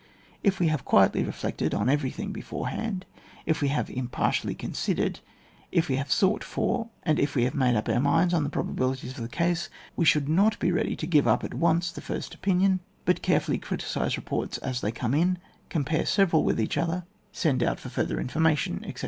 If we have quietly reflected on every thing beforehand, if we have impartially considered, if we have sought for, and if we have made up our minds on the pro babilities of the case, we shoidd not be ready to give up at once the first opinion, but carefully criticise reports as they come in, compare several with each other, send 118 ON WAR. out for further informatioii, etc.